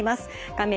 画面